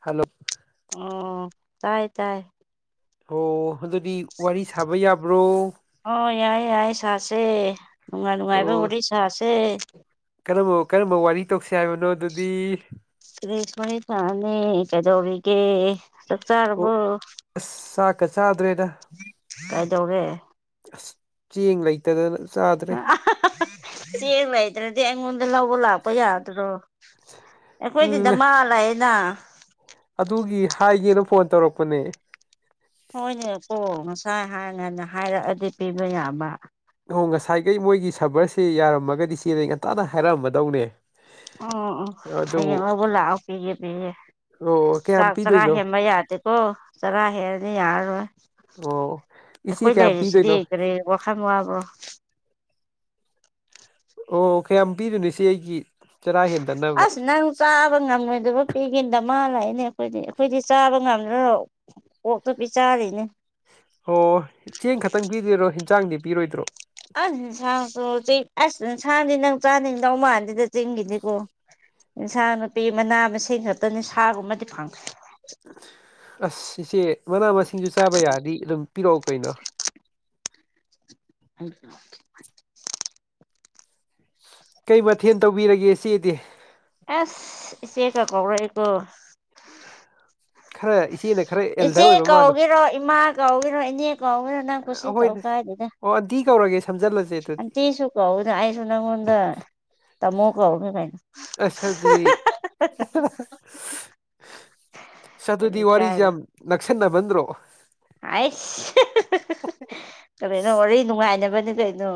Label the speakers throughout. Speaker 1: Hello
Speaker 2: ꯑꯣ ꯇꯥꯏ ꯇꯥꯏ
Speaker 1: ꯑꯣ ꯑꯗꯨꯗꯤ ꯋꯥꯔꯤ ꯁꯥꯕ ꯌꯥꯕ꯭ꯔꯣ
Speaker 2: ꯑꯣ ꯌꯥꯏꯌꯦ ꯌꯥꯏꯌꯦ ꯁꯥꯁꯦ ꯅꯨꯡꯉꯥꯏ ꯅꯨꯡꯉꯥꯏꯕ
Speaker 1: ꯑꯣ
Speaker 2: ꯋꯥꯔꯤ ꯁꯥꯁꯦ
Speaker 1: ꯀꯔꯝꯕ ꯀꯔꯝꯕ ꯋꯥꯔꯤ ꯇꯧꯁꯤ ꯍꯥꯏꯕꯅꯣ ꯑꯗꯨꯗꯤ
Speaker 2: ꯀꯄꯅꯤ [inaudible] ꯊꯥꯅꯤ ꯀꯗꯣꯕꯤꯒꯦ ꯆꯥꯛ
Speaker 1: ꯑꯣ
Speaker 2: ꯆꯥꯔꯕꯣ
Speaker 1: ꯑꯁ ꯆꯥꯛꯀ ꯆꯥꯗ꯭ꯔꯦꯗ
Speaker 2: ꯀꯥꯏꯗꯧꯔꯦ
Speaker 1: ꯑꯁ ꯆꯦꯡ ꯂꯩꯇꯗꯅ ꯆꯥꯗ꯭ꯔꯦ
Speaker 2: ꯁꯤ ꯃꯥꯥꯏ [inaudible] ꯑꯗꯨ ꯑꯩꯉꯣꯟꯗ ꯂꯧꯕ ꯂꯥꯛꯄ ꯌꯥꯗ꯭ꯔꯣ ꯑꯩꯈꯣꯏꯗꯤꯗ
Speaker 1: ꯎꯝ
Speaker 2: ꯗꯥꯃꯥ ꯂꯩꯑꯦꯅ
Speaker 1: ꯑꯗꯨꯒꯤ ꯍꯥꯏꯒꯦꯅ ꯐꯣꯟ ꯇꯧꯔꯛꯄꯅꯦ
Speaker 2: ꯍꯣꯏꯅꯦꯀꯣ ꯉꯁꯥꯏ ꯍꯥꯏ ꯉꯥꯟꯅ ꯍꯥꯏꯔꯛꯑꯗꯤ ꯄꯤꯕ ꯌꯥꯕ
Speaker 1: ꯑꯣ ꯉꯁꯥꯏꯈꯩ ꯃꯣꯏꯒꯤ ꯁꯕꯔꯁꯦ ꯌꯥꯔꯝꯃꯒꯗꯤ ꯆꯦꯗ ꯑꯩ ꯉꯟꯇꯥꯅ ꯍꯥꯏꯔꯛꯑꯃꯗꯧꯅꯦ
Speaker 2: ꯑꯣ ꯑꯣ ꯑꯣ ꯍꯌꯦꯡ ꯂꯥꯎꯕ ꯂꯥꯛꯑꯣ ꯄꯤꯒꯦ ꯄꯤꯒꯦ
Speaker 1: ꯑꯣ ꯀꯌꯥꯝ
Speaker 2: ꯆꯥꯛ ꯆꯔꯥ
Speaker 1: ꯄꯤꯗꯣꯏꯅꯣ
Speaker 2: ꯍꯦꯟꯕ ꯌꯥ ꯗꯦꯀꯣ ꯆꯔꯥ ꯍꯦꯜꯂꯗꯤ ꯌꯥꯔꯔꯣꯏ
Speaker 1: ꯑꯣ ꯏꯆꯦ
Speaker 2: ꯑꯩꯈꯣꯏ
Speaker 1: ꯀꯌꯥꯝ
Speaker 2: ꯂꯩꯔꯤꯁꯤꯗꯤ
Speaker 1: ꯄꯤꯗꯣꯏꯅꯣ
Speaker 2: ꯀꯔꯤ ꯋꯥꯈꯟ ꯋꯥꯕ꯭ꯔꯣ
Speaker 1: ꯑꯣ ꯀꯌꯥꯝ ꯄꯤꯗꯨꯏꯅꯣ ꯏꯆꯦ ꯑꯩꯒꯤ ꯆꯔꯥ ꯍꯦꯟꯗꯅꯕ
Speaker 2: ꯑꯁ ꯅꯪ ꯆꯥꯕ ꯉꯝꯃꯣꯏꯗꯕ ꯄꯤꯒꯦ ꯗꯃꯥ ꯂꯥꯛꯏꯅꯦ ꯑꯩꯈꯣꯏꯗꯤ ꯑꯩꯈꯣꯏꯗꯤ ꯆꯥꯕ ꯉꯝꯗ꯭ꯔꯔꯣ ꯀꯣꯛꯇꯨ ꯄꯤ ꯆꯥꯔꯤꯅꯦ
Speaker 1: ꯑꯣ ꯆꯦꯡ ꯈꯛꯇꯪ ꯄꯤꯗꯣꯏꯔꯣ ꯍꯤꯡꯖꯥꯡꯗꯤ ꯄꯤꯔꯣꯏꯗ꯭ꯔꯣ
Speaker 2: ꯑꯁ ꯍꯤꯡꯁꯥꯡꯁꯨ ꯆꯤꯛ ꯑꯁ ꯏꯟꯁꯥꯟꯗꯤ ꯅꯪ ꯆꯥꯅꯤꯡꯗꯧ ꯃꯥꯟꯗꯦꯗ ꯆꯤꯡꯒꯤꯗꯤꯀꯣ ꯏꯟꯁꯥꯡ ꯅꯨꯄꯤ ꯃꯅꯥ ꯃꯁꯤꯡ ꯈꯛꯇꯅꯤ ꯁꯥꯒꯨꯝꯕꯗꯤ ꯐꯪꯗꯔꯦ
Speaker 1: ꯑꯁ ꯏꯆꯦ ꯃꯅꯥ ꯃꯁꯤꯡꯁꯨ ꯆꯥꯕ ꯌꯥꯔꯗꯤ ꯑꯗꯨꯝ ꯄꯤꯔꯛꯑꯣ ꯀꯩꯅꯣ
Speaker 2: [unintelligible]
Speaker 1: ꯀꯩ ꯃꯊꯦꯟ ꯇꯧꯕꯤꯔꯒꯦ ꯏꯆꯦꯗꯤ
Speaker 2: ꯑꯁ ꯏꯁꯆꯦꯀ ꯀꯧꯔꯛꯑꯦꯀꯣ
Speaker 1: ꯈꯔ ꯏꯁ
Speaker 2: ꯏꯆꯦ ꯀꯧꯒꯦꯔꯣ ꯏꯃꯥ ꯀꯧꯒꯦꯔꯣ ꯏꯅꯦ ꯀꯧꯒꯦꯔꯣ ꯅꯪ ꯀꯨꯁꯤ ꯇꯧ
Speaker 1: ꯑꯍꯣꯏꯗ
Speaker 2: ꯀꯥꯏꯗꯦꯗ
Speaker 1: ꯑꯣ ꯑꯟꯇꯤ ꯀꯧꯔꯒꯦ ꯁꯝꯖꯜꯂ
Speaker 2: ꯑꯟꯇꯤꯁꯨꯨ ꯀꯧꯅ ꯑꯩꯁꯨ ꯅꯪꯉꯣꯟꯗ ꯇꯥꯃꯣ ꯀꯥꯎꯔꯒꯦ ꯀꯩꯅꯣ
Speaker 1: ꯑꯁ ꯑꯗꯨꯗꯤ
Speaker 2: ꯀꯔꯤ
Speaker 1: ꯁꯗꯨꯗꯤ ꯋꯥꯔꯤꯖꯦ
Speaker 2: ꯏꯀꯥꯏꯕ
Speaker 1: ꯌꯥꯝ ꯅꯛꯁꯟꯅꯃꯟꯗꯔꯣ
Speaker 2: ꯑꯥꯏꯁ ꯀꯔꯤꯅꯣ ꯋꯥꯔꯤ ꯅꯨꯡꯉꯥꯏꯅꯕꯅꯤ ꯀꯩꯅꯣ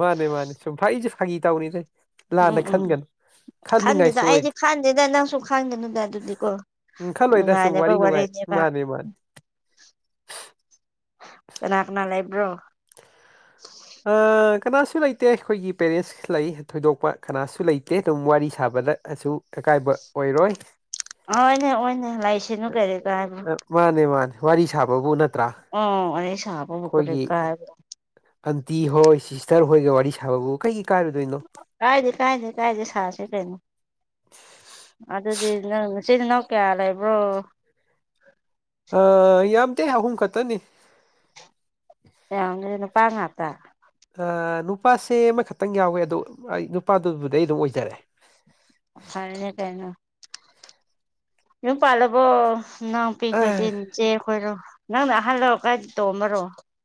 Speaker 1: ꯃꯥꯅꯦ ꯃꯥꯅꯦ ꯁꯨꯝ ꯐꯥꯒꯤꯁꯨ ꯐꯥꯒꯤ ꯇꯧꯅꯤꯗ ꯂꯥꯟꯅ
Speaker 2: ꯎꯝ ꯎꯝ
Speaker 1: ꯈꯟꯒꯅꯨ
Speaker 2: ꯈꯟꯗꯦꯗ
Speaker 1: ꯈꯟꯅꯤꯡꯉꯥꯏꯁꯨ
Speaker 2: ꯑꯩꯗꯤ
Speaker 1: ꯑꯣꯏꯗꯦ
Speaker 2: ꯈꯪꯗꯦꯗ ꯅꯪꯁꯨ ꯈꯪꯒꯅꯨꯗ ꯑꯗꯨꯗꯤꯀꯣ
Speaker 1: ꯎꯝ ꯈꯜꯂꯣꯏꯗ ꯁꯨꯝ
Speaker 2: ꯅꯨꯡꯉꯥꯏꯅꯕ
Speaker 1: ꯋꯥꯔꯤ ꯅꯨꯡꯉꯥꯏ
Speaker 2: ꯋꯥꯔꯤꯅꯦꯕ
Speaker 1: ꯃꯥꯅꯦ ꯃꯥꯅꯦ
Speaker 2: ꯀꯅꯥ ꯀꯅꯥ ꯂꯩꯕ꯭ꯔꯣ
Speaker 1: ꯑꯥ ꯀꯅꯥꯁꯨ ꯂꯩꯇꯦ ꯑꯩꯈꯣꯏꯒꯤ ꯄꯦꯔꯦꯟꯁ ꯂꯩ ꯊꯣꯏꯗꯣꯛꯄ ꯀꯅꯥꯁꯨ ꯂꯩꯇꯦ ꯑꯗꯨꯝ ꯋꯥꯔꯤ ꯁꯥꯕꯗꯁꯨ ꯑꯀꯥꯏꯕ ꯑꯣꯏꯔꯣꯏ
Speaker 2: ꯑꯣꯏꯅꯦ ꯑꯣꯏꯅꯦ ꯂꯥꯏꯁꯤꯅꯨ ꯀꯔꯤ ꯀꯥꯟꯅꯣ
Speaker 1: ꯑ ꯃꯥꯅꯦ ꯃꯥꯅꯦ ꯋꯥꯔꯤ ꯁꯥꯕꯕꯨ ꯅꯠ
Speaker 2: ꯎꯝ ꯋꯥꯔꯤ ꯁꯥꯥꯕꯕꯨ ꯀꯔꯤ ꯀꯥꯏꯔ [inaudible]
Speaker 1: ꯑꯟꯇꯤ ꯍꯣꯏ ꯁꯤꯁꯇꯔ ꯍꯣꯏꯒ ꯋꯥꯔꯤ ꯁꯥꯕꯕꯨ ꯀꯩꯒꯤ ꯀꯥꯏꯔꯣꯏꯗꯣꯏꯅꯣ
Speaker 2: ꯀꯥꯏꯗꯦ ꯀꯥꯏꯗꯦ ꯀꯥꯏꯗꯦ ꯁꯥꯁꯦ ꯀꯩꯅꯣ ꯑꯗꯨꯗꯤ ꯅꯪ ꯆꯤꯜ ꯏꯅꯥꯎ ꯀꯌꯥ ꯂꯩꯕ꯭ꯔꯣ
Speaker 1: ꯑꯥ ꯌꯥꯝꯗꯦ ꯑꯍꯨꯝ ꯈꯛꯇꯅꯤ
Speaker 2: ꯌꯥꯝꯒ [inaudible] ꯅꯨꯄꯥ ꯉꯥꯛꯇ
Speaker 1: ꯅꯨꯄꯥꯁꯦ ꯑꯃꯈꯛꯇꯪ ꯌꯥꯎꯋꯦ ꯑꯗꯣ ꯑꯩ ꯅꯨꯄꯥꯗꯨꯕꯨꯗꯩ ꯑꯗꯨꯝ ꯑꯣꯏꯖꯔꯦ
Speaker 2: ꯐꯔꯦꯅꯦ ꯀꯩꯅꯣ ꯌꯨꯝ ꯄꯥꯂ ꯑꯣ ꯅꯥꯎꯄꯤ ꯈꯣꯏꯗꯤꯟ ꯆꯦ ꯈꯣꯏꯔꯣ ꯅꯪꯅ ꯑꯍꯜ ꯂꯣ ꯀꯥꯏ ꯇꯣꯝꯕꯔꯣ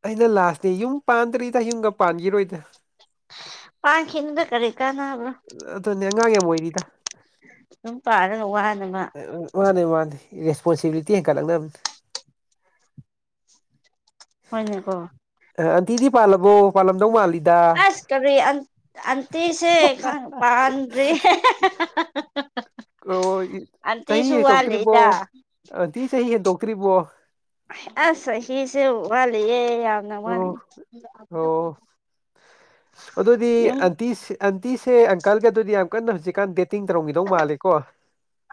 Speaker 1: ꯑꯩꯅ ꯂꯥꯠꯅꯦ ꯌꯨꯝ ꯄꯥꯟꯗ꯭ꯔꯤꯗ ꯌꯨꯡꯒ ꯄꯥꯟꯒꯤꯔꯣꯏꯗ
Speaker 2: ꯄꯥꯡꯈꯅꯨꯗ ꯀꯔꯤ ꯀꯥꯟꯅꯥꯕꯔꯥ
Speaker 1: ꯑꯗꯨꯅꯦ ꯑꯉꯥꯡ ꯌꯥꯝ ꯑꯣꯏꯔꯤꯗ
Speaker 2: ꯌꯨꯝ ꯄꯥꯜꯂꯒ ꯋꯥꯅꯉꯥ
Speaker 1: ꯃꯥꯅꯦ ꯃꯥꯅꯦ ꯔꯦꯁꯄꯣꯟꯁꯤꯕꯤꯂꯤꯇꯤ ꯍꯦꯟꯀꯠꯂꯛꯅꯕꯅꯦ
Speaker 2: ꯍꯣꯏꯅꯦ ꯀꯣ
Speaker 1: ꯑꯥ ꯑꯟꯇꯤꯗꯤ ꯄꯥꯜꯂꯕꯣ ꯄꯥꯜꯂꯝꯗꯧ ꯃꯥꯜꯂꯤꯗ
Speaker 2: ꯑꯁ ꯀꯔꯤ ꯑꯇꯤꯁꯦ ꯈꯪ ꯄꯥꯟꯇꯔꯦ [unintelligible]
Speaker 1: ꯑꯣ ꯆꯍꯤ ꯍꯦꯟꯛꯇꯣꯛꯇ꯭ꯔꯤ ꯑꯟꯇꯤ ꯆꯍꯤ ꯍꯦꯟꯇꯣꯛꯇ꯭ꯔꯤꯕꯣ
Speaker 2: ꯑꯁ ꯆꯍꯤꯁꯦ ꯋꯥꯂꯤꯌꯦ ꯌꯥꯝ
Speaker 1: ꯑꯣ ꯑꯣ ꯑꯗꯨꯗꯤ
Speaker 2: ꯌꯨꯝ
Speaker 1: ꯑꯟꯇꯤ ꯑꯟꯇꯤꯁꯦ ꯑꯪꯀꯜꯒ ꯑꯗꯨꯗꯤ ꯌꯥꯝ ꯀꯟꯅ ꯍꯧꯖꯤꯛꯀꯥꯟ ꯗꯦꯇꯤꯡ ꯇꯧꯔꯝꯈꯤꯗꯧ ꯃꯥꯜꯂꯦꯀꯣ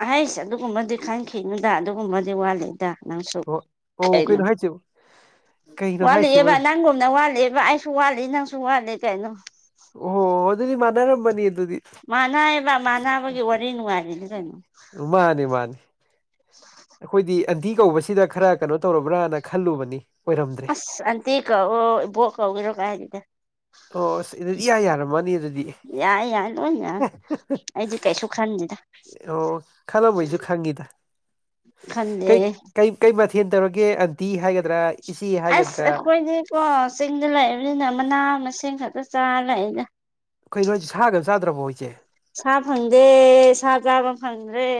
Speaker 2: ꯑꯍꯩꯁ ꯑꯗꯨꯒꯨꯝꯕꯗꯤ ꯈꯟꯈꯤꯅꯗꯥ ꯑꯗꯨꯒꯨꯝꯕꯗꯤ ꯋꯥꯠꯂꯤ ꯍꯦꯔꯥ ꯅꯪꯁꯨ
Speaker 1: ꯑꯣ ꯑꯣ
Speaker 2: ꯀꯩꯅꯣ
Speaker 1: ꯍꯥꯏꯁꯤꯕ ꯀꯩꯅꯣ ꯍꯥꯏꯁꯤꯕ
Speaker 2: ꯋꯥꯠꯂꯤꯌꯦꯕ ꯅꯪꯒꯨꯝꯅ ꯋꯥꯠꯂꯤꯌꯦꯕ ꯑꯩꯁꯨ ꯋꯥꯠꯂꯤ ꯅꯪꯁꯨ ꯋꯥꯠꯂꯤ ꯀꯩꯅꯣ
Speaker 1: ꯑꯣ ꯑꯗꯨꯗꯤ ꯃꯅꯔꯝꯃꯅꯤ ꯑꯗꯨꯗꯤ
Speaker 2: ꯃꯥꯅꯥꯕ ꯃꯥꯅꯕꯒꯤ ꯋꯥꯔꯤ ꯅꯨꯡꯉꯥꯏꯔꯤꯅꯦ ꯀꯩꯅꯣ
Speaker 1: ꯃꯥꯅꯤ ꯃꯥꯅꯤ ꯑꯩꯈꯣꯏꯗꯤ ꯑꯟꯇꯤ ꯀꯧꯕꯁꯤꯗ ꯈꯔ ꯀꯩꯅꯣ ꯇꯧꯔꯕ꯭ꯔꯥꯅ ꯈꯜꯂꯨꯕꯅꯤ ꯑꯣꯏꯔꯝꯗ꯭ꯔꯦ
Speaker 2: ꯑꯁ ꯑꯟꯇꯤ ꯀꯧꯕ ꯏꯕꯣꯛ ꯀꯧꯕ꯭ꯔꯣ ꯀꯥꯏꯗꯦꯗ
Speaker 1: ꯑꯣ ꯑꯁ ꯑꯗꯨꯗꯤ ꯏꯌꯥ ꯌꯥꯔꯝꯃꯅꯤ ꯑꯗꯨꯗꯤ
Speaker 2: ꯌꯥꯏ ꯌꯥꯏ ꯂꯣꯏ ꯌꯥꯏ ꯑꯩꯗꯤ ꯀꯩꯁꯨ ꯈꯟꯗꯦꯗ
Speaker 1: ꯑꯣ ꯈꯜꯂꯝꯃꯣꯢꯁꯨ ꯈꯪꯉꯤꯗ
Speaker 2: ꯈꯟꯗꯦ
Speaker 1: ꯀꯩ ꯀꯩ ꯀꯩ ꯃꯊꯦꯜ ꯇꯧꯔꯒꯦ ꯑꯟꯇꯤ ꯍꯥꯏꯒꯗ꯭ꯔꯥ ꯏꯆꯦ ꯍꯥꯏꯒꯗ꯭ꯔꯥ
Speaker 2: ꯑꯣ ꯆꯤꯡꯗ ꯂꯥꯛꯏꯕꯅꯤꯅ ꯃꯅꯥ ꯃꯁꯤꯡ ꯈꯛꯇ ꯆꯥꯔ ꯂꯩꯗ
Speaker 1: ꯀꯩꯅꯣ ꯍꯥꯏꯁꯦ ꯁꯥꯒ ꯆꯥꯗ꯭ꯔꯕꯣ ꯏꯆꯦ
Speaker 2: ꯁꯥ ꯐꯪꯗꯦ ꯁꯥ ꯆꯥꯕ ꯐꯪꯗ꯭ꯔꯦ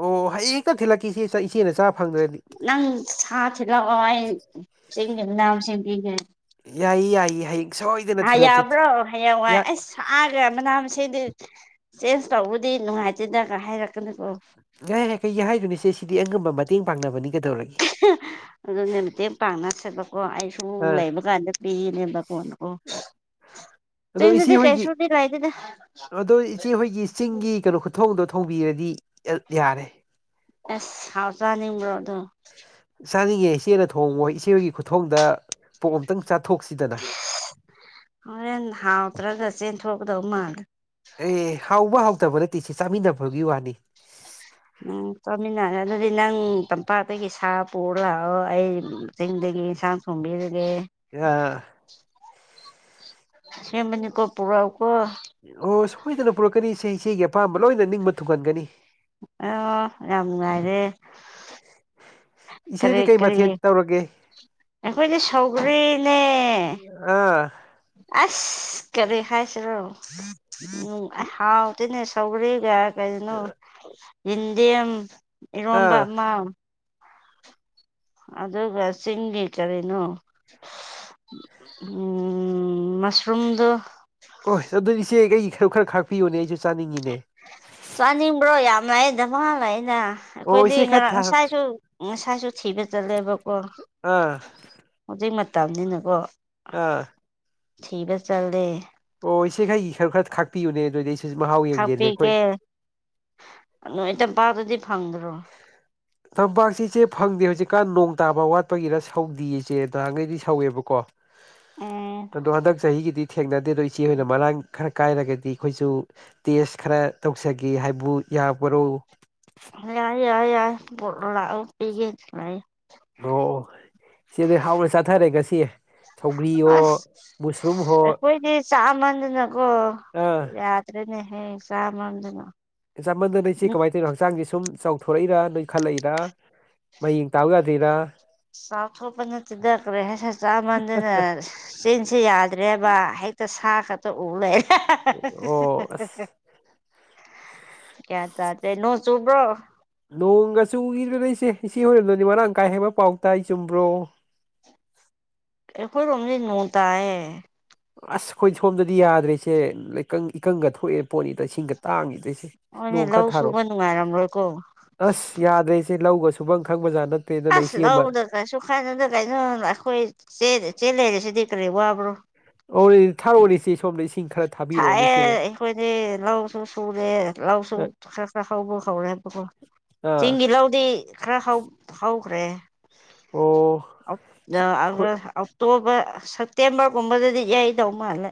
Speaker 1: ꯑꯣ ꯍꯌꯦꯡ ꯍꯦꯛꯇ ꯊꯤꯜꯂꯛꯀꯦ ꯏꯆꯦ ꯏꯆꯦꯅ ꯆꯥ ꯐꯪꯗ꯭ꯔꯗꯤ
Speaker 2: ꯅꯪ ꯁꯥ ꯊꯤꯂꯛꯑꯣ ꯑꯩ ꯢꯟꯁꯥꯡ ꯆꯤꯡꯒꯤ ꯃꯅꯥ ꯃꯁꯤꯡ ꯄꯤꯒꯦ
Speaker 1: ꯌꯥꯏꯌꯦ ꯌꯥꯏꯌꯦ ꯁꯣꯏꯗꯅ
Speaker 2: ꯍꯥꯏ
Speaker 1: ꯊꯤꯜꯂꯛꯀꯦ
Speaker 2: ꯌꯥꯎꯕ꯭ꯔꯣ ꯍꯥꯏꯌꯥꯡ
Speaker 1: ꯌꯥ
Speaker 2: ꯋꯥꯏ ꯑꯩꯁ ꯃꯅꯥ ꯃꯁꯤꯡꯗꯤ ꯆꯦꯟꯖ ꯇꯧꯕꯗꯤ ꯅꯨꯡꯉꯥꯏꯇꯦꯗꯒ ꯍꯥꯏꯔꯛꯀꯅꯤꯀꯣ
Speaker 1: ꯌꯥꯥꯏ ꯌꯥ ꯀꯩꯒꯤ ꯍꯥꯏꯗꯣꯏꯅꯣ ꯏꯆꯦ ꯁꯤꯗꯤ ꯑꯉꯝꯕ ꯃꯇꯦꯡ ꯄꯥꯡꯅꯕꯅꯤ ꯀꯩꯗꯧꯔꯒꯦ
Speaker 2: ꯑꯗꯨꯅꯤ ꯃꯇꯦꯡ ꯄꯥꯡꯅꯁꯦꯠꯕꯀꯣ ꯑꯩ ꯁꯨꯝ
Speaker 1: ꯑꯥ
Speaker 2: ꯂꯩꯕ ꯀꯥꯟꯗ ꯄꯤꯅꯦꯕ ꯀꯣ ꯑꯣ
Speaker 1: ꯑꯗꯣ
Speaker 2: ꯆꯤꯡꯗꯗꯤ
Speaker 1: ꯏꯆꯦꯍꯣꯏꯒꯤ
Speaker 2: ꯀꯩꯁꯨꯗꯤ ꯂꯩꯇꯦꯗ
Speaker 1: ꯑꯗꯣ ꯏꯆꯦꯍꯣꯏꯒꯤ ꯆꯤꯡꯒꯤ ꯀꯩꯅꯣ ꯈꯨꯊꯣꯡꯗꯣ ꯊꯣꯡꯕꯤꯔꯗꯤ ꯌꯥꯔꯦ
Speaker 2: ꯑꯦꯁ ꯍꯥꯎ ꯆꯥꯅꯤꯡꯕ꯭ꯔꯣ ꯑꯗꯣ
Speaker 1: ꯆꯥꯅꯤꯡꯉꯦ ꯏꯆꯦꯅ ꯊꯣꯡꯕ ꯍꯣꯏ ꯏꯆꯦꯍꯣꯏꯒꯤ ꯈꯨꯊꯣꯡꯗ ꯄꯣꯛ ꯑꯝꯇꯪ ꯆꯥꯊꯣꯛꯁꯤꯗꯅ
Speaker 2: ꯍꯔꯦꯟ ꯍꯥꯎꯇ꯭ꯔꯒ ꯆꯦꯟꯊꯣꯛꯀꯗꯕ ꯃꯥꯜꯂꯦ
Speaker 1: ꯑꯦ ꯍꯥꯎꯕ ꯍꯥꯎꯇꯕ ꯅꯠꯇꯦ ꯁꯤ ꯆꯥꯃꯤꯟꯅꯕꯒꯤ ꯋꯥꯅꯤ
Speaker 2: ꯎꯝ ꯆꯠꯃꯤꯟꯅꯔ ꯑꯗꯨꯗꯤ ꯅꯪ ꯇꯝꯄꯥꯛꯇꯒꯤ ꯁꯥ ꯄꯨꯔ ꯂꯥꯛꯑꯣ ꯑꯩ ꯆꯤꯡꯗꯒꯤ ꯏꯟꯁꯥꯡ ꯊꯣꯡꯕꯤꯔꯒ‌ꯦ
Speaker 1: ꯌꯥ
Speaker 2: ꯑꯁꯦꯡꯕꯅꯤꯀꯣ ꯄꯨꯔꯎ ꯀꯣ
Speaker 1: ꯑꯣ ꯁꯣꯏꯗꯅ ꯄꯨꯔꯛꯀꯅꯤ ꯏꯆꯦ ꯏꯆꯦꯒꯤ ꯑꯄꯥꯝꯕ ꯂꯣꯏꯅ ꯅꯤꯡꯕ ꯊꯨꯡꯍꯟꯒꯅꯤ
Speaker 2: ꯑ ꯌꯥꯝ ꯅꯨꯡꯉꯥꯏꯔꯦ
Speaker 1: ꯏꯆꯦꯗꯤ
Speaker 2: ꯀꯔꯤ
Speaker 1: ꯀꯩ
Speaker 2: ꯀꯔꯤ
Speaker 1: ꯃꯊꯦꯟ ꯇꯧꯔꯒꯦ
Speaker 2: ꯑꯩꯈꯣꯏꯗꯤ ꯁꯧꯒ꯭ꯔꯤꯅꯦ
Speaker 1: ꯑꯥ
Speaker 2: ꯑꯁ ꯀꯔꯤ ꯍꯥꯏꯁꯤꯔꯣ ꯎꯝ ꯑ ꯍꯥꯎ ꯑꯗꯨꯅꯦ ꯁꯧꯒꯔꯤꯒ ꯀꯅꯣ ꯌꯦꯟꯗꯦꯝ ꯏꯔꯣꯝꯕ
Speaker 1: ꯑꯥ
Speaker 2: ꯑꯃ ꯑꯗꯨꯒ ꯆꯤꯡꯒꯤ ꯀꯔꯤꯅꯣ ꯎꯝ ꯃꯁꯔꯨꯝꯗꯨ
Speaker 1: ꯑꯗꯨꯗꯤ ꯏꯆꯦ ꯑꯩꯒꯤ ꯁꯔꯨꯛ ꯈꯔ ꯈꯥꯛꯄꯤꯌꯨꯅꯦ ꯑꯩꯁꯨ ꯆꯥꯅꯤꯡꯉꯤꯅꯦ
Speaker 2: ꯆꯥꯅꯤꯡꯕ꯭ꯔꯣ ꯌꯥꯝ ꯂꯩ ꯗꯃꯥ ꯂꯩꯅ
Speaker 1: ꯑꯣ
Speaker 2: ꯑꯩꯈꯣꯏꯗꯤ
Speaker 1: ꯏꯆꯦ ꯈꯔ
Speaker 2: ꯉꯔꯥꯡ
Speaker 1: ꯊꯥꯔꯛ
Speaker 2: ꯉꯁꯥꯏꯁꯨ ꯉꯁꯥꯏꯁꯨ ꯊꯤꯕ ꯆꯠꯂꯦꯕꯀꯣ
Speaker 1: ꯑꯥ
Speaker 2: ꯍꯧꯖꯤꯛ ꯃꯇꯝꯅꯤꯅꯀꯣ
Speaker 1: ꯑꯥ
Speaker 2: ꯊꯕ ꯆꯜꯂꯦ
Speaker 1: ꯑꯣ ꯏꯆꯦ ꯈꯥꯏꯒꯤ ꯈꯔ ꯈꯔ ꯈꯥꯛꯄꯤꯌꯨꯅꯦ ꯑꯗꯨꯏꯗꯤ ꯑꯩ
Speaker 2: ꯈꯥꯛꯄꯤꯒꯦ ꯅꯣꯏ ꯇꯄꯥꯥꯗꯨꯗꯤ ꯐꯪꯗ꯭ꯔꯣ
Speaker 1: [unintelligible] ꯇꯝꯄꯥꯛꯁꯤ ꯏꯆꯦ ꯐꯪꯗꯦ ꯍꯧꯖꯤꯛꯀꯥꯟ ꯅꯣꯡ ꯇꯥꯕ ꯋꯥꯠꯄꯒꯤꯔ ꯁꯧꯗꯌꯦ ꯏꯆꯦ ꯅꯍꯥꯟꯈꯩꯗꯤ ꯁꯧꯋꯦꯕꯀꯣ
Speaker 2: ꯎꯝ
Speaker 1: ꯗꯍꯥꯟ ꯇꯛ ꯆꯍꯤꯍꯤꯒꯤꯤ ꯊꯦꯡꯅꯗꯦ ꯑꯗꯣ ꯏꯆꯦ ꯍꯣꯏꯅ ꯃꯔꯥꯡ ꯈꯔ ꯀꯥꯏꯔꯒꯗꯤ ꯑꯩꯈꯣꯏꯁꯨ ꯇꯦꯁ ꯈꯔ ꯇꯧꯖꯒꯦ ꯍꯥꯏꯕꯨ ꯌꯥꯕꯔꯣ
Speaker 2: ꯌꯥꯏ ꯌꯥꯏ ꯌꯥꯏ ꯣꯠꯣ ꯂꯥꯛꯑꯣ ꯄꯤꯒꯦ ꯂꯥꯛꯑꯏ
Speaker 1: ꯑꯣ ꯁꯤꯗ ꯍꯥꯎꯅ ꯆꯥꯊꯔꯦꯒꯁꯤ ꯍꯣ
Speaker 2: ꯑ ꯀꯣꯏꯗꯤ ꯆꯃꯗ ꯅ ꯀꯣ
Speaker 1: ꯑꯥ
Speaker 2: ꯆꯠꯇ꯭ꯔꯦꯅꯦ ꯍꯌꯦ ꯆꯥꯝ ꯃꯝꯗꯅ
Speaker 1: ꯆꯃꯟꯗꯅ ꯅ ꯏꯆꯦ ꯀꯃꯥꯏꯅ ꯇꯧꯔꯤꯅꯣ ꯍꯛꯆꯥꯡꯁꯦ ꯁꯨꯝ ꯆꯥꯎꯊꯣꯔꯛꯏꯔ ꯅꯣꯏ ꯈꯜꯂꯛꯏꯔ ꯃꯌꯦꯡ ꯇꯥꯕ ꯌꯥꯗ ꯖꯤꯔꯥ
Speaker 2: ꯆꯥꯎ ꯊꯣꯄꯟ ꯆꯗ ꯀ꯭ꯔꯦꯁ ꯆꯥ ꯃꯗꯅ ꯆꯤꯟꯁꯤ ꯌꯥꯗ꯭ꯔꯦꯕ ꯍꯦꯛꯇ ꯁꯥ ꯈꯛꯇ ꯎ ꯂꯩꯔꯦ
Speaker 1: ꯑꯣ ꯑꯁ
Speaker 2: ꯀꯦ ꯇꯗ꯭ꯔꯦ ꯅꯣ ꯆꯨꯕ꯭ꯔꯣ
Speaker 1: ꯅꯣꯡꯒ ꯆꯨꯗ ꯂꯩꯁꯦ ꯏꯆ ꯍꯣꯏꯔꯝꯗꯨꯅꯤ ꯃꯔꯥꯡ ꯀꯥꯏ ꯍꯦꯟꯕ ꯄꯥꯎ ꯇꯥꯏ ꯑꯩ ꯆꯨꯝꯕ꯭ꯔꯣ
Speaker 2: ꯑꯩꯈꯣꯏ ꯔꯣꯝꯁꯤ ꯅꯣꯡ ꯇꯥꯏꯌꯦ
Speaker 1: ꯑꯁ ꯑꯩꯈꯣꯏ ꯁꯣꯝꯗꯗꯤ ꯌꯥꯗ꯭ꯔꯔꯤꯁꯦ ꯂꯩꯀꯪ ꯏꯀꯪꯒ ꯊꯣꯛꯑꯦꯅ ꯄꯣꯠꯅꯤꯗ ꯏꯁꯤꯡꯒ ꯇꯥꯡꯉꯤꯗꯣꯏꯁꯦ
Speaker 2: ꯑꯣꯅꯦ ꯂꯧ ꯁꯨꯕ ꯅꯨꯡꯉꯥꯏꯔꯝꯔ‌ꯣꯏ ꯀꯣ
Speaker 1: ꯑꯁ ꯌꯥꯗ꯭ꯔꯦ ꯏꯆꯦ ꯂꯧꯒ ꯁꯨꯕꯪ ꯈꯪꯕꯖꯥꯠ ꯅꯠꯇꯦ
Speaker 2: ꯑꯁ ꯂꯧꯗ ꯀꯩꯁꯨ ꯈꯥꯏꯅꯗ ꯀꯩꯅꯣ ꯑꯩꯈꯣꯏ ꯆꯦꯜ ꯂꯩꯔꯁꯤꯗꯤ ꯀꯔꯤ ꯋꯥꯕ꯭ꯔꯣ
Speaker 1: ꯑꯣ ꯊꯥꯔꯣꯔꯤꯁꯤ ꯁꯣꯅꯤꯁꯤ ꯈꯔ ꯊꯥ
Speaker 2: ꯊꯥꯛꯑꯦ ꯑꯩꯈꯣꯏꯗꯤ ꯂꯧꯁꯨ ꯁꯨꯔꯦ ꯂꯧꯁꯨ
Speaker 1: ꯑ
Speaker 2: ꯈꯔ ꯈꯥ ꯈꯥꯎꯕ ꯈꯥꯎꯔꯦꯕꯣ
Speaker 1: ꯑꯥ
Speaker 2: ꯆꯤꯡꯒꯤꯤ ꯂꯥꯎ ꯑꯗꯨꯗꯤ ꯈꯔ ꯍꯥꯎꯈ꯭ꯔꯦ
Speaker 1: ꯑꯣ ꯍꯣꯏ
Speaker 2: ꯑꯣꯛꯇꯣꯕꯔ ꯁꯦꯞꯇꯦꯝꯕꯔꯒꯨꯝꯕꯗꯗꯤ ꯌꯥꯩꯗꯧ ꯃꯥꯜꯂꯦ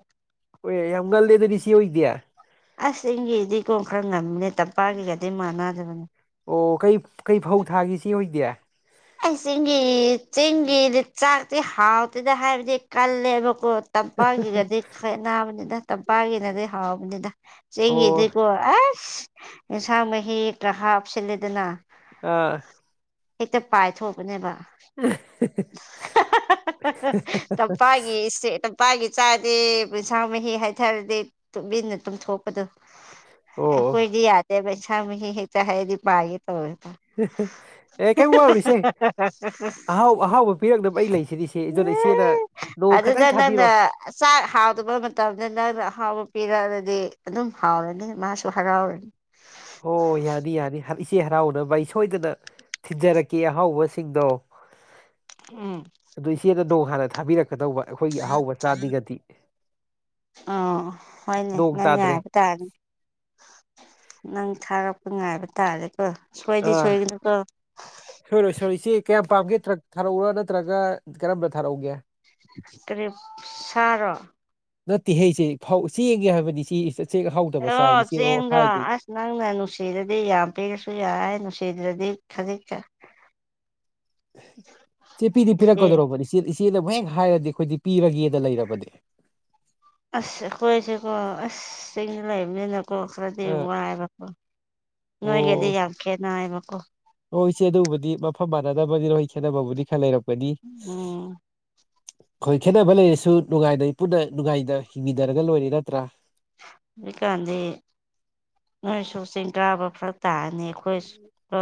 Speaker 1: ꯍꯣꯏꯦ ꯌꯥꯝ ꯉꯜꯂꯦꯗꯗꯤ ꯁꯤ ꯑꯣꯏꯗꯦ
Speaker 2: ꯑꯁ ꯏꯒꯤꯗꯤ ꯀꯣꯟ ꯈꯔ ꯉꯝꯃꯤꯅꯦ ꯇꯝꯄꯥꯛꯒꯤꯒꯗꯤ ꯃꯥꯟꯅꯗꯕꯅꯤ
Speaker 1: ꯑꯣ ꯀꯩ ꯀꯩ ꯐꯧ ꯊꯥꯒꯁꯤ ꯑꯣꯏꯗꯦ
Speaker 2: ꯑꯩꯁꯤꯡꯒꯤꯒꯤ ꯆꯤꯡꯒꯤꯗꯤ ꯆꯥꯛꯇꯤ ꯍꯥꯎꯇꯦꯗ ꯍꯥꯏꯕꯗꯤ ꯀꯜꯂꯦꯕꯀꯣ ꯇꯝꯄꯥꯛꯀꯤꯒꯗꯤ ꯈꯥꯏꯠ ꯅꯥꯕꯅꯤꯅ ꯇꯝꯄꯥꯛꯀꯤꯅꯗꯤ ꯍꯥꯎꯕꯅꯤꯅ
Speaker 1: ꯑꯥ
Speaker 2: ꯆꯦꯡꯒꯤꯗꯤꯀꯣ ꯑꯁ ꯑꯦꯟꯁꯥꯡ ꯃꯍꯤ ꯀ ꯍꯥꯞꯆꯜꯂꯦꯗꯅ
Speaker 1: ꯑꯥ
Speaker 2: ꯍꯦꯛꯇ ꯄꯥꯏꯊꯣꯛꯄꯅꯦꯕ ꯇꯝꯄꯥꯒꯤꯦ ꯇꯝꯄꯥꯒꯤ ꯆꯥꯗꯤ ꯄꯨꯟꯁꯥꯡ ꯃꯍꯤ ꯍꯥꯏꯊꯔꯗꯤ ꯇ ꯇ ꯊꯣꯛꯄꯗ
Speaker 1: ꯑꯣ ꯑꯣ
Speaker 2: ꯀꯣꯏꯗꯤ ꯌꯥꯗꯦ ꯄꯩꯁꯃꯤ ꯍ ꯆꯦꯗꯤ ꯃꯥꯒꯦ ꯇꯧ
Speaker 1: ꯑꯦꯦꯕꯨ ꯎꯁꯤ
Speaker 2: [unintelligible]
Speaker 1: ꯑꯍꯥꯎ ꯑꯍꯥꯎꯕ ꯄꯤꯔꯛꯅꯕ ꯑꯩ ꯂꯩꯁꯤꯗꯤ ꯏꯆꯦ ꯏꯖꯅ ꯏꯆꯦꯅ ꯅꯣꯡ
Speaker 2: ꯑꯗꯨꯗ
Speaker 1: ꯈꯇꯪ
Speaker 2: ꯅꯪꯅ
Speaker 1: ꯊꯥꯕꯤꯔꯛꯣ
Speaker 2: ꯆꯥꯛ ꯍꯥꯎꯗꯕ ꯃꯇꯝꯗ ꯅꯪꯅ ꯑꯍꯥꯎꯕ ꯄꯤꯔꯛꯑꯗꯤ ꯑꯗꯨꯝ ꯍꯥꯎꯔꯅꯤ ꯃꯥꯁꯨ ꯍꯔꯥꯎꯔꯅꯤ
Speaker 1: ꯍꯣ ꯌꯥꯅꯤ ꯌꯥꯅꯤ ꯏꯆꯦ ꯍꯔꯥꯎꯅꯕ ꯑꯩ ꯁꯣꯏꯗꯅ ꯊꯤꯟꯖꯔꯛꯀꯦ ꯑꯍꯥꯎꯕꯁꯤꯡꯗꯣ
Speaker 2: ꯎꯝ
Speaker 1: ꯑꯗꯨ ꯏꯆꯦꯅ ꯅꯣꯡ ꯍꯥꯟꯅ ꯊꯥꯕꯤꯔꯛꯦ ꯀꯩꯗꯧꯕ ꯑꯩꯈꯣꯏꯒꯤ ꯑꯍꯥꯎꯕ ꯆꯥꯅꯤꯡꯉꯗꯤ
Speaker 2: ꯑ ꯍꯣꯏꯅꯦ
Speaker 1: ꯅꯣꯡ
Speaker 2: ꯅꯪ ꯌꯥ
Speaker 1: ꯇꯥꯗ꯭ꯔꯦ
Speaker 2: ꯍꯥꯏꯕ ꯇꯥꯔꯅꯤ ꯅꯪ ꯊꯥꯔꯛꯄ ꯉꯥꯏꯕ ꯇꯥꯔꯦꯀꯣ ꯁꯣꯏꯗꯤ
Speaker 1: ꯑꯥ
Speaker 2: ꯁꯣꯏꯒꯅꯨꯀꯣ
Speaker 1: ꯁꯣꯏꯔꯣꯏ ꯁꯣꯏꯔꯣꯏ ꯏꯦ ꯀꯌꯥꯝ ꯄꯥꯝꯒꯦ ꯇ꯭ꯔꯛ ꯊꯥꯔꯛꯎꯔ ꯅꯠꯇ꯭ꯔꯒ ꯀꯔꯝꯗ ꯊꯥꯔꯛꯎꯒꯦ
Speaker 2: ꯇꯔꯤꯞ ꯁꯥꯔ‌ꯣ
Speaker 1: ꯅꯠꯇ‌ꯦꯍ‌ꯦ ꯏꯆ‌ꯦ ꯐꯧ ꯆꯦꯡꯅꯤ ꯍꯥꯏꯕꯅ‌ꯦ ꯆ‌ꯦ-ꯆꯦꯡ ꯑꯍꯥꯎꯇꯕ
Speaker 2: ꯑꯣ
Speaker 1: ꯆꯥꯏꯃꯤ [inaudible]
Speaker 2: ꯆꯦꯡꯗꯣ
Speaker 1: ꯍꯥꯏꯗꯨꯗꯤ
Speaker 2: ꯑꯁ ꯅꯪꯅ ꯅꯨꯡꯁꯤꯔꯗꯤ ꯌꯥꯝ ꯄꯤꯔꯁꯨ ꯌꯥꯏ ꯅꯨꯡꯁꯤꯗꯗꯗꯤ ꯈꯖꯤꯛ
Speaker 1: ꯏꯦ ꯄꯤꯗꯤ
Speaker 2: ꯏꯆꯦ
Speaker 1: ꯄꯤꯔꯛꯀꯗꯧꯔꯕꯅꯤ ꯏꯆꯦ ꯏꯆꯦꯗ ꯍꯦꯛ ꯍꯥꯏꯔꯗꯤ ꯑꯩꯈꯣꯏꯗꯤ ꯄꯤꯔꯒꯦꯅ ꯂꯩꯔꯕꯅꯦ
Speaker 2: ꯑꯁ ꯑꯩꯈꯣꯏꯁꯦꯀꯣ ꯑꯁ ꯆꯤꯡꯅ ꯂꯩꯕꯅꯤꯅꯀꯣ ꯈꯔꯗꯤ
Speaker 1: ꯑꯥ
Speaker 2: ꯋꯥꯏꯕꯀꯣ
Speaker 1: ꯑꯣ
Speaker 2: ꯅꯣꯏꯒꯤꯗꯤ ꯌꯥꯝ ꯈꯦꯠꯅ ꯍꯥꯏꯕꯀꯣ
Speaker 1: ꯍꯣꯏ ꯏꯆꯦ ꯑꯗꯨꯕꯨꯗꯤ ꯃꯐꯝ ꯃꯥꯟꯅꯗꯅꯕꯅꯤꯅ ꯍꯣꯏ ꯈꯦꯠꯅꯕꯕꯨꯗꯤ ꯈꯔ ꯂꯩꯔꯛꯀꯅꯤ
Speaker 2: ꯎꯝ
Speaker 1: ꯈ‌ꯣꯏ ꯈꯦꯠꯅꯕ ꯂꯩꯔꯁꯨ ꯅꯨꯡꯉꯥꯏꯅ ꯄꯨꯟꯅ ꯅꯨꯡꯉꯥꯏꯅ ꯍꯤꯡꯃꯤꯟꯅꯔꯒ ꯂꯣꯏꯔꯦ ꯅꯠꯇ꯭ꯔꯥ
Speaker 2: ꯍꯧꯖꯤꯛꯀꯥꯟꯗꯤ ꯅꯣꯏꯁꯨ ꯆꯤꯡ ꯇꯥꯕ ꯈꯔ ꯇꯥꯔꯅꯤ ꯑꯩꯈꯣꯏ ꯑ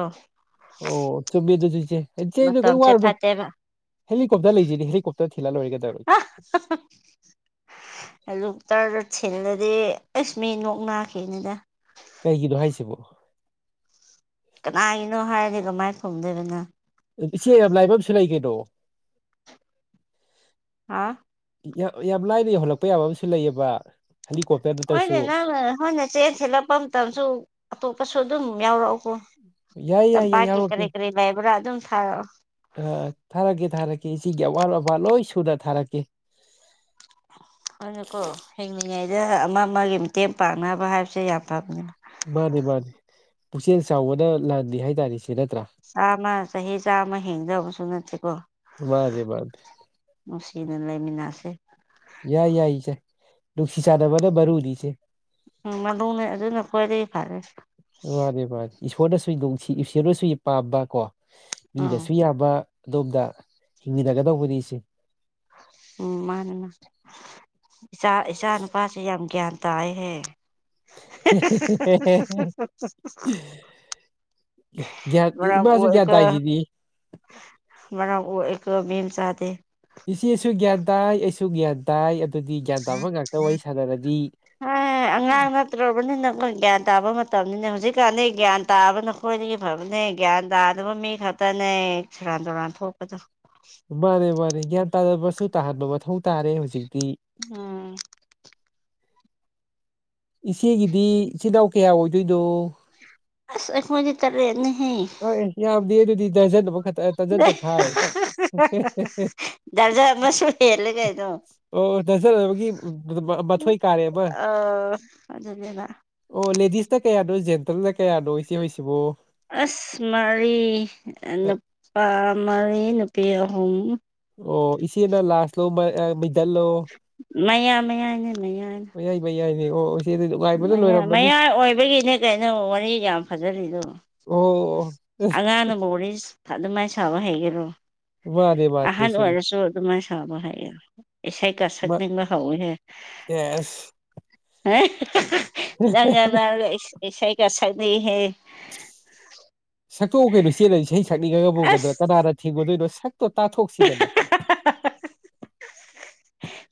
Speaker 1: ꯑꯣ ꯆꯨꯝꯃꯦ ꯑꯗꯨꯁꯨ ꯏꯆꯦ ꯏꯆꯦꯅꯣ ꯀꯔꯤ ꯋꯥꯔꯨꯅꯣ
Speaker 2: ꯐꯠꯇꯦꯕ
Speaker 1: ꯍꯦꯂꯤꯀꯣꯞꯇꯔ ꯂꯩꯁꯤꯦꯗꯤ ꯍꯦꯂꯤꯀꯣꯞꯇꯔ ꯊꯤꯜꯂ ꯂꯣꯏꯔꯒꯗꯧꯔꯣꯦ [unintelligible]
Speaker 2: ꯂꯨ ꯇꯔꯗ ꯊꯜꯂꯗꯤ ꯑꯁ ꯃꯤ ꯅꯣꯛ ꯅꯥꯈꯤꯅꯤꯗ
Speaker 1: ꯀ ꯍꯒꯤꯗꯣ ꯍꯥꯏꯥꯏꯁꯤꯕꯨꯣ
Speaker 2: ꯀꯅꯥꯒꯤꯅꯣ ꯍꯥꯏꯔꯗꯤ ꯀꯃꯥꯏꯅ ꯐꯪꯗꯣꯏꯕꯅꯣ
Speaker 1: ꯏꯆꯦ ꯌꯥꯝ ꯂꯥꯏꯕ ꯑꯃꯁꯨ ꯂꯩ ꯀꯩꯅꯣ
Speaker 2: ꯍꯥꯥ
Speaker 1: ꯌꯥꯝ ꯂꯥꯏꯅ ꯌꯧꯍꯜꯂꯛꯄ ꯌꯥꯕ ꯑꯃꯁꯨ ꯂꯩꯑꯕ ꯍꯦꯂꯤꯀꯣꯞꯇꯔ ꯅꯠꯇ꯭ꯔꯁꯨ
Speaker 2: ꯍꯣꯏꯅꯦ ꯅꯪ ꯍꯣꯔꯣꯏꯅ ꯆꯦꯟ ꯊꯤꯠꯂꯛꯄ ꯃꯇꯝꯁꯨ ꯑꯇꯣꯞꯄꯁꯨ ꯑꯗꯨꯝ ꯌꯥꯎꯔꯛꯎꯀꯣ
Speaker 1: ꯌꯥꯏ ꯌꯥꯏ ꯌꯥꯏ
Speaker 2: ꯆꯝꯄꯥꯛꯀꯤ ꯀꯔꯤ
Speaker 1: ꯌꯥꯎꯔꯛꯀꯦ
Speaker 2: ꯀꯔꯤ ꯂꯩꯏꯕ꯭ꯔꯥ ꯑꯗꯨꯝ ꯊꯥꯑꯣ
Speaker 1: ꯑ ꯊꯥꯔꯛꯀꯦ ꯊꯥꯔꯛꯀꯦ ꯏ ꯁꯤꯒꯤ ꯑꯋꯥꯠ ꯑꯄꯥ ꯂꯣꯏ ꯁꯨꯗ ꯊꯥꯔꯛꯀꯦ
Speaker 2: ꯍꯣꯏꯅꯀꯣ ꯍꯤꯡꯂꯤꯉꯩꯗ ꯑꯃ ꯑꯃꯒꯤ ꯃꯇꯦꯡ ꯄꯥꯡꯅꯕ ꯍꯥꯏꯕꯁꯦ ꯌꯥꯝ ꯐꯕꯅꯤꯅ
Speaker 1: ꯃꯥꯅꯦ ꯃꯥꯅꯦ ꯄꯨꯛꯆꯦꯜ ꯆꯥꯎꯕꯅ ꯂꯥꯟꯅꯤ ꯍꯥꯏ ꯇꯔ ꯁꯤ ꯅꯠꯇ꯭ꯔꯥ
Speaker 2: ꯆꯥꯝꯃ ꯆꯍꯤ ꯆꯥꯝꯃ ꯍꯦꯡꯖꯕ ꯑꯃꯁꯨ ꯅꯠꯁꯤꯦꯀꯣ
Speaker 1: ꯃꯥꯅꯦ ꯃꯥꯅꯦ
Speaker 2: ꯅꯨꯡꯁꯤꯅ ꯂꯩꯃꯤꯟꯅꯁꯦ
Speaker 1: ꯌꯥꯏ ꯌꯥꯏ ꯏꯆꯦ ꯅꯨꯡꯁꯤ ꯆꯥꯟꯅꯕꯅ ꯃꯔꯨꯅꯤꯆꯦ
Speaker 2: ꯎꯝ ꯃꯅꯦ ꯑꯗꯨꯅ ꯀꯣꯏꯔꯛ ꯐꯔꯦ
Speaker 1: ꯃꯥꯅꯦ ꯃꯥꯅꯤ ꯏꯁꯣꯔꯅꯁꯨ ꯅꯨꯡꯁꯤ ꯏꯁꯣꯔꯅꯁꯨ ꯄꯥꯝꯕ ꯀꯣ
Speaker 2: ꯑꯥ
Speaker 1: ꯃꯤꯗꯁꯨ ꯌꯥꯕ ꯑꯗꯣꯝꯗ ꯍꯤꯡꯃꯤꯟꯅꯒꯗꯧꯕꯅꯤ ꯏꯁꯦ
Speaker 2: ꯎꯝ ꯃꯥꯅꯦ ꯃꯥ ꯏꯆꯥ ꯏꯆꯥ ꯅꯨꯄꯥꯁꯤ ꯌꯥꯝ ꯒ꯭ꯌꯥꯟ ꯇꯥꯏꯍꯦ
Speaker 1: [unintelligible] ꯒ꯭ꯌꯥꯟ ꯏꯃꯥꯁꯨ ꯒ꯭ꯌꯥꯟ ꯇꯥꯏꯁꯤꯗꯤ
Speaker 2: ꯃ ꯃꯦꯟꯁ
Speaker 1: ꯏꯆꯦꯁꯨ ꯒ꯭ꯌꯥꯟꯗꯥꯏ ꯑꯩꯁꯨ ꯒ꯭ꯌꯥꯟꯗꯥꯏ ꯑꯗꯨꯗꯤ ꯒ꯭ꯌꯥꯟ ꯇꯥꯕ ꯉꯥꯛꯇ ꯋꯥꯔꯤ ꯁꯥꯟꯅꯔꯗꯤ
Speaker 2: ꯐꯠꯇ꯭ꯔꯕꯅꯤꯅ ꯑꯩꯈꯣꯏ ꯒ꯭ꯌꯥꯟ ꯇꯥꯕ ꯃꯇꯝꯅꯤꯅ ꯍꯧꯖꯤꯛꯀꯥꯟꯗꯤ ꯒ꯭ꯌꯥꯟ ꯇꯥꯕ ꯅꯈꯣꯏꯗꯒꯤ ꯐꯕꯅꯦ ꯒ꯭ꯌꯥꯟ ꯇꯥꯗꯕ ꯃꯤ ꯈꯇꯅꯦ ꯁꯨꯔꯥꯟ ꯇꯧꯨꯔꯥꯟ ꯊꯣꯛꯄꯗꯣ
Speaker 1: ꯃꯥꯦ ꯃꯥꯦ ꯒ꯭ꯌꯥꯟ ꯇꯥꯅꯕꯁꯨ ꯇꯥꯍꯟꯕ ꯃꯊꯧ ꯇꯥꯔꯦ ꯍꯧꯖꯤꯛꯇꯤ
Speaker 2: ꯎꯝ
Speaker 1: ꯏꯆꯦꯒꯤꯗꯤ ꯏꯆꯤꯟꯜ ꯏꯅꯥꯎ ꯀꯌꯥ ꯑꯣꯏꯗꯣꯏꯅꯣ
Speaker 2: ꯑꯁ ꯑꯩꯈ ꯃꯖꯤ ꯇꯔꯦꯅ ꯍ
Speaker 1: ꯍꯣꯏꯁ ꯌꯥꯕꯗꯤ ꯑꯗꯨꯗꯤ ꯇꯖꯟꯕꯨ ꯈ ꯇꯖꯟ ꯇꯈꯥꯏ
Speaker 2: ꯗꯔꯖꯥ ꯑꯃꯁꯨ ꯍꯦꯜꯂꯦ ꯀꯩꯅꯣ
Speaker 1: ꯑꯣ ꯅꯖꯔꯒꯤ ꯃꯊꯣꯏꯏ ꯀꯥꯔꯦ ꯑꯃ
Speaker 2: ꯑꯥ ꯑꯗꯨꯅꯦꯕ
Speaker 1: ꯑꯣ ꯂꯦꯗꯤꯁꯇ ꯀꯌꯥꯗꯣ ꯖꯦꯟꯇꯜꯅ ꯀꯌꯥꯗꯣ ꯏꯆꯦ ꯍꯣꯏꯁꯤꯕꯣ
Speaker 2: ꯑꯁ ꯃꯔꯤ ꯅꯨꯄꯥ ꯃꯔꯤ ꯅꯨꯄꯤ ꯑꯍꯨꯝ
Speaker 1: ꯑꯣ ꯏꯆꯦꯅ ꯂꯥꯁ ꯂꯣꯃꯩꯗꯜ ꯂꯣ
Speaker 2: ꯃꯌꯥꯏ ꯃꯌꯥꯏꯅꯦ
Speaker 1: ꯃꯌꯥꯏꯅꯦ ꯍꯣꯏ
Speaker 2: ꯃꯌꯥ ꯃꯌꯥꯏ ꯑꯣꯏꯕꯒꯤꯅꯦ ꯀꯩꯅꯣ ꯋꯥꯔꯤ ꯌꯥꯝ ꯐꯖꯔꯤꯗꯣ
Speaker 1: ꯑꯣ
Speaker 2: ꯑꯉꯥꯡꯅꯕꯨꯔꯤꯁ ꯑꯗꯨꯃꯥꯏꯅ ꯁꯥꯕ ꯍꯩꯒꯔꯣ
Speaker 1: ꯋꯥꯗꯦ
Speaker 2: ꯑꯍꯟ ꯑꯣꯏꯔꯁꯨ ꯑꯗꯨꯃꯥꯏꯅ ꯁꯥꯕ ꯍꯥꯏꯌꯦꯕ ꯏꯁꯩꯥꯏ ꯀꯥꯁꯛꯅꯤꯡꯕ ꯍꯥꯎꯋꯤꯍꯦ
Speaker 1: ꯆꯦꯁ
Speaker 2: ꯅꯪ ꯉꯥꯔꯛꯁꯨ ꯏꯁꯩꯒ ꯁꯥꯛꯅꯤꯡꯑꯍꯦ
Speaker 1: ꯁꯛꯇꯣꯛꯎ ꯀꯩꯅꯣ ꯅꯆꯦꯅ ꯏꯁꯩ ꯁꯛꯅꯤꯡꯉꯒꯕꯨ ꯀꯩꯅꯣ
Speaker 2: ꯑꯁ
Speaker 1: ꯀꯅꯥꯅ ꯊꯤꯡꯉꯨꯗꯣꯏꯅꯣ ꯁꯛꯇꯣ ꯇꯥꯊꯣꯛꯁꯤꯗꯅ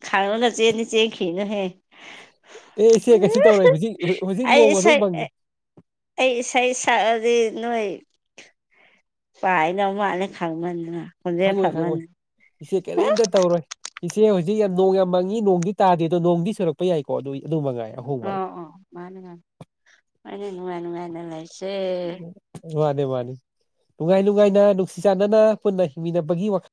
Speaker 2: ꯈꯪꯉꯒ ꯆꯦꯟꯗꯤ ꯆꯦꯈꯤꯅꯨꯍꯦ
Speaker 1: ꯑꯦ ꯏꯆꯦ ꯀꯩꯁꯨ ꯇꯧꯔꯣꯏ ꯍꯧꯖꯤꯛ ꯍꯧꯖꯤꯛ
Speaker 2: ꯑꯩ
Speaker 1: ꯅꯣꯡ ꯑꯗꯨꯝ
Speaker 2: ꯏꯁꯩ
Speaker 1: ꯐꯪꯉꯤ
Speaker 2: ꯑꯩ ꯏꯁꯩ ꯁꯛꯑꯗꯤ ꯅꯣꯏ ꯄꯥꯏꯅ ꯃꯥꯅꯦ ꯈꯪꯃꯟꯗꯅ ꯈꯣꯟꯖꯦꯜ
Speaker 1: ꯈꯪꯉꯣꯏ ꯈꯪꯉꯣꯏ
Speaker 2: ꯐꯃꯟꯗꯅ
Speaker 1: ꯏꯆꯦ ꯀꯔꯤꯝꯇ ꯇꯧꯔꯣꯏ ꯏꯆꯦ ꯍꯧꯖꯤꯛ ꯌꯥꯝ ꯅꯣꯡ ꯌꯥꯝ ꯃꯪꯉꯤ ꯅꯣꯡꯗꯤ ꯇꯥꯗꯦ ꯑꯗꯣ ꯅꯣꯡꯗꯤ ꯆꯨꯔꯛꯄ ꯌꯥꯏꯀꯣ ꯑꯗꯨ ꯑꯗꯨꯝ ꯃꯉꯥꯏ ꯑꯍꯣꯡꯕ
Speaker 2: ꯑ
Speaker 1: ꯍꯥꯏ꯫
Speaker 2: ꯑꯣ ꯃꯥꯅꯦ ꯃꯥ ꯃꯥꯅꯦ ꯅꯨꯡꯉꯥꯏ ꯅꯨꯡꯉꯥꯏꯅ ꯂꯩꯁꯦ
Speaker 1: ꯃꯥꯅꯦ ꯃꯥꯅꯤ ꯅꯨꯡꯉꯥꯏ ꯅꯨꯡꯉꯥꯏꯅ ꯅꯨꯡꯁꯤ ꯆꯥꯟꯅꯅ ꯄꯨꯟꯅ ꯍꯤꯡꯃꯤꯟꯅꯕꯒꯤ ꯋꯥꯈꯜ